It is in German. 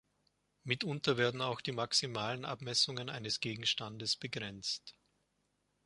Mitunter werden auch die maximalen Abmessungen eines Gegenstandes begrenzt.